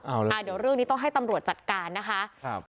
เอาล่ะเดี๋ยวเรื่องนี้ต้องให้ตำรวจจัดการนะคะ